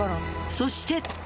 そして。